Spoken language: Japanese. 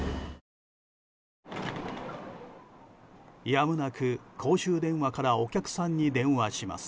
やむなく公衆電話からお客さんに電話します。